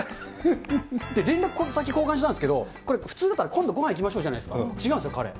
連絡先交換したんですけど、これ、普通だったら、今度ごはんいきましょうじゃないですか、違うんですよ、彼。